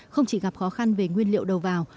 không chỉ gặp khó khăn về nguyên liệu đầu vào